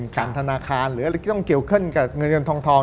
การธนาคารหรืออะไรที่ต้องเกี่ยวข้องกับเงินเงินทอง